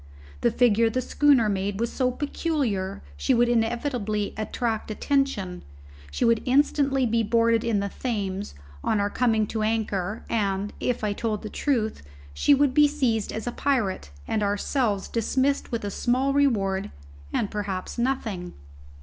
The figure the schooner made was so peculiar she would inevitably attract attention; she would instantly be boarded in the Thames on our coming to anchor, and, if I told the truth, she would be seized as a pirate, and ourselves dismissed with a small reward, and perhaps with nothing.